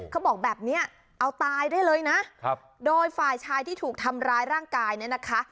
เขาบอกแบบนี้เอาตายได้เลยนะโดยฝ่ายชายที่ถูกทำร้ายร่างกายเนี่ยนะคะ